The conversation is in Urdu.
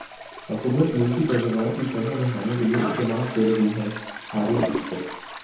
حکومت ملکی پیداوار کی شرح بڑھانے کیلئے اقدامات کر رہی ہےہارون اختر